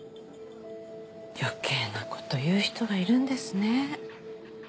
余計なこと言う人がいるんですね。